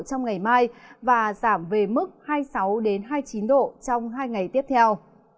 trong ngày mai và giảm về mức hai mươi sáu hai mươi chín độ trong hai ngày tiếp theo